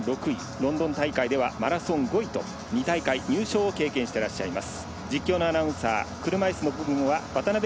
ロンドン大会ではマラソン５位２大会入賞を経験してらっしゃいます。